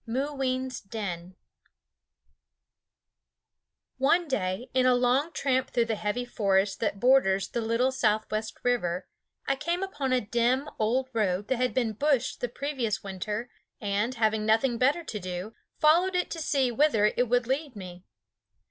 MOOWEEN'S DEN One day, in a long tramp through the heavy forest that borders the Little Southwest River, I came upon a dim old road that had been bushed the previous winter and, having nothing better to do, followed it to see whither it would lead me.